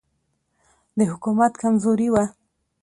د حکومت کمزوري وه.